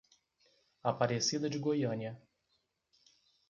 Aparecida de Goiânia